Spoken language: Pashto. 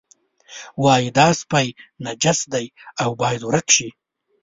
وایي دا سپی نجس دی او باید ورک شي.